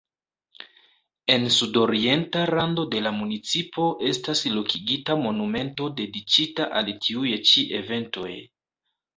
En sudorienta rando de la municipo estas lokigita monumento dediĉita al tiuj ĉi eventoj.